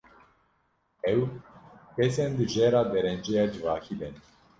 Ew, kesên di jêra derenceya civakî de ne.